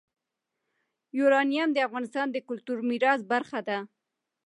یورانیم د افغانستان د کلتوري میراث برخه ده.